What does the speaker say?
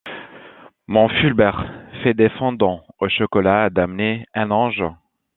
mon Fulbert fait des fondants au chocolat à damner un ange.